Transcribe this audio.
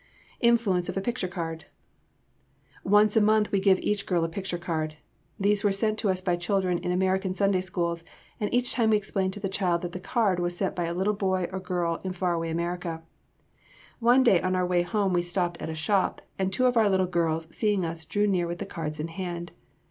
INFLUENCE OF A PICTURE CARD Once a month we give each girl a picture card. These were sent to us by children in American Sunday Schools, and each time we explain to the child that the card was sent by a little boy or girl in far away America. One day on our way home we stopped at a shop, and two of our little girls seeing us drew near with the cards in hand.